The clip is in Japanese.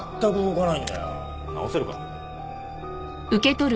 直せるか？